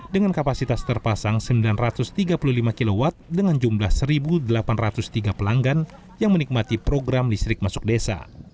dengan kapasitas terpasang sembilan ratus tiga puluh lima kw dengan jumlah satu delapan ratus tiga pelanggan yang menikmati program listrik masuk desa